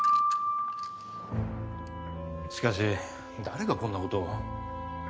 しかし誰がこんな事を。